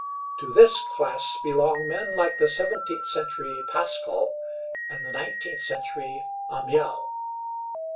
To this class belong men like the seventeenth century Pascal and the nineteenth century Amiel.